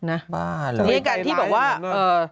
อ่าบ้าอะไรถ้าง็อยากการที่แบบว่าเอ่อ